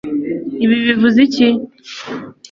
ibi bivuze iki